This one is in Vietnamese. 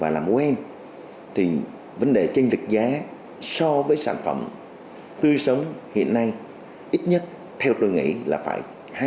và làm quen thì vấn đề tranh lịch giá so với sản phẩm tươi sống hiện nay ít nhất theo tôi nghĩ là phải hai mươi